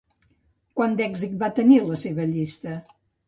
Quant d'èxit va tenir la seva llista?